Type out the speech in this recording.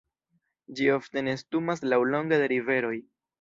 Ĝi ofte nestumas laŭlonge de riveroj.